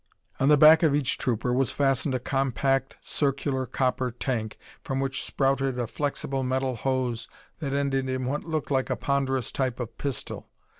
On the back of each trooper was fastened a compact circular copper tank, from which sprouted a flexible metal hose that ended in what looked like a ponderous type of pistol.